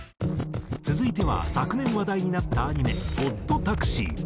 続いては昨年話題になったアニメ『オッドタクシー』。